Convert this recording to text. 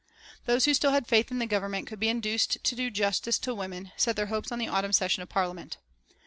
Those who still had faith that the Government could be induced to do justice to women set their hopes on the autumn session of Parliament.